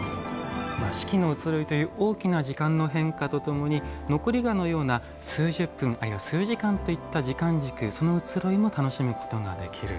四季の移ろいという大きな時間の変化とともに残り香のような数十分、数時間といった時間軸、その移ろいも楽しむことができる。